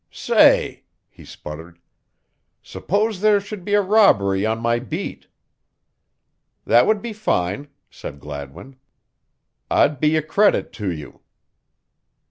"Say," he sputtered. "S'pose there should be a robbery on my beat?" "That would be fine," said Gladwin. "I'd be a credit to you."